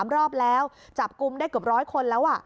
๓รอบแล้วจับกลุ่มได้เกือบ๑๐๐คนแล้ว